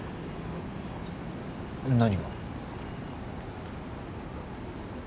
何が？